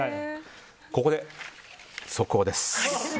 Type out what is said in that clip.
ここで速報です。